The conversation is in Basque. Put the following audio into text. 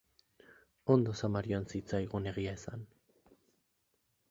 Ondo samar joan zitzaigun, egia esan.